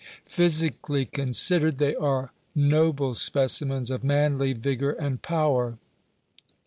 Physically considered, they are noble specimens of manly vigor and power.